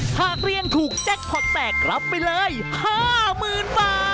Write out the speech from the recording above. หากเรียนถูกแจ็คพอร์ตแตกรับไปเลย๕๐๐๐บาท